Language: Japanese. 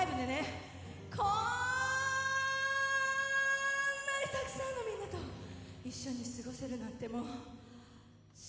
こんなにたくさんのみんなと一緒に過ごせるなんてもうしあわせ！